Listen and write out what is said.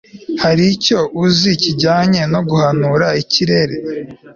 hari icyo uzi kijyanye no guhanura ikirere